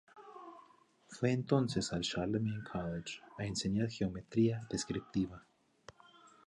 Fue entonces al Charlemagne College a enseñar geometría descriptiva.